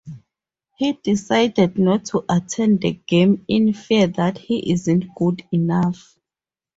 He decides not to attend the game in fear that he isn't good enough.